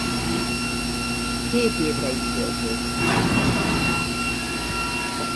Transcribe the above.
Hét évre ítélték.